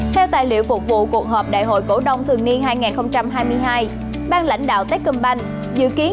theo tài liệu phục vụ cuộc họp đại hội cổ đông thường niên hai nghìn hai mươi hai bang lãnh đạo tết công banh dự kiến